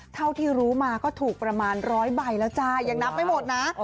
เท่าที่รู้มาเรื่อยแล้วจ้ายังนับไม่หมดนะ